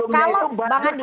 kalau bang andi